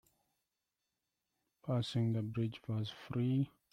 Passing the bridge was free.